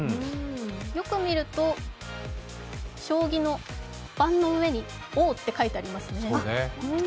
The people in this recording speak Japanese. よく見ると、将棋盤の上に「王」って書いてありますね。